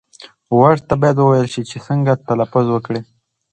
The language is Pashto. غوږ ته باید وویل شي چې څنګه تلفظ وکړي.